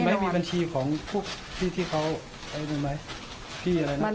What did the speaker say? มีบัญชีของผู้ที่เขามีไม่